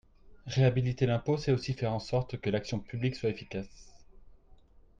Réhabiliter l’impôt, c’est aussi faire en sorte que l’action publique soit efficace.